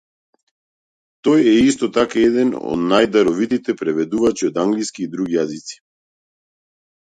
Тој е исто така еден од најдаровитите преведувачи од англиски и други јазици.